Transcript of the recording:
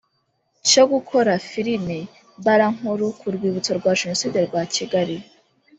cyo gukora filimi mbarankuru ku rwibutso rwa jenoside rwa kigali